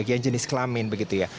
bagian jenis kelamin begitu ya